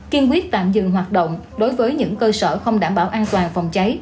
kiên quyết tạm dừng hoạt động đối với những cơ sở không đảm bảo an toàn phòng cháy